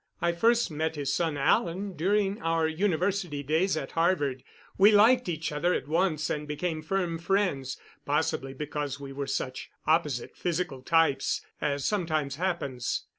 I first met his son, Alan, during our university days at Harvard. We liked each other at once, and became firm friends possibly because we were such opposite physical types, as sometimes happens.